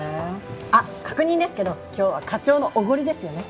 あっ確認ですけど今日は課長のおごりですよね？